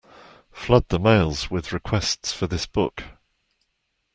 Flood the mails with requests for this book.